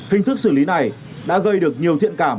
hình thức xử lý này đã gây được nhiều thiện cảm